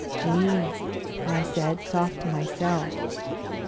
"Gee!" I said, soft to myself.